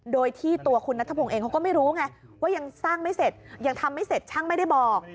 โดยที่ตัวคุณนัทพงศ์เองเขาก็ไม่รู้ไงว่ายังสร้างไม่เสร็จยังทำไม่เสร็จช่างไม่ได้บอก